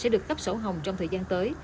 sẽ được cấp sổ hồng trong thời gian tới